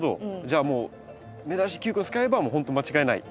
じゃあもう芽出し球根を使えばほんと間違いない。